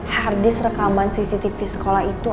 harddisk rekaman cctv sekolah itu